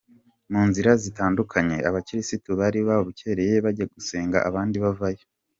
Mu nzira zitandukanye, abakirisitu bari babukereye bajya gusenga abandi bavayo.